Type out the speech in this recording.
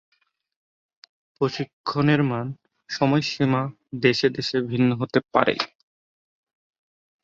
প্রশিক্ষণের মান, সময়সীমা দেশে-দেশে ভিন্ন হতে পারে।